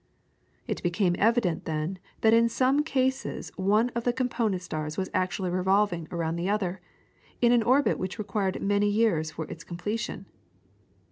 It became evident then that in some cases one of the component stars was actually revolving around the other, in an orbit which required many years for its completion.